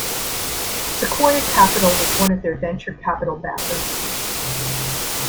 Sequoia Capital was one of their venture capital backers.